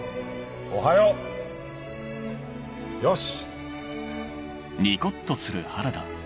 おはよう！よし！